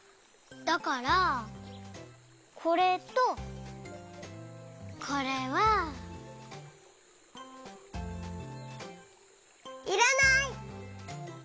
だからこれとこれは。いらない！